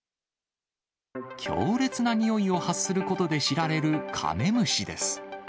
強烈な臭いを発することで知られるカメムシです。